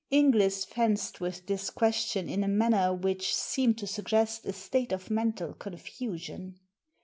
*^ Inglis fenced with this question in a manner which seemed to suggest a state of mental confusion.